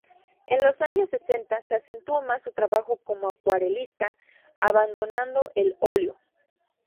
En los años sesenta se acentuó más su trabajo como acuarelista, abandonando el óleo.